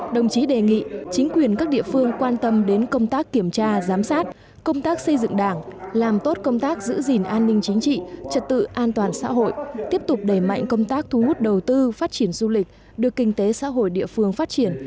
đồng chí đề nghị chính quyền các địa phương quan tâm đến công tác kiểm tra giám sát công tác xây dựng đảng làm tốt công tác giữ gìn an ninh chính trị trật tự an toàn xã hội tiếp tục đẩy mạnh công tác thu hút đầu tư phát triển du lịch đưa kinh tế xã hội địa phương phát triển